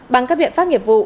bằng các biện pháp nghiệp vụ